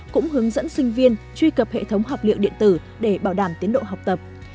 cũng hướng dẫn sinh viên truy cập hệ thống học liệu điện tử để bảo đảm tiến độ học tập